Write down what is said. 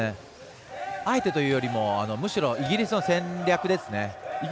あえてというよりもむしろイギリスの戦略ですね。